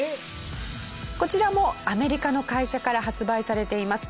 こちらもアメリカの会社から発売されています。